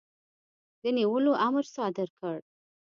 د نیولو امر صادر کړ.